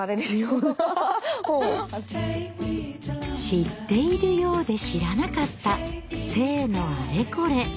知っているようで知らなかった性のあれこれ。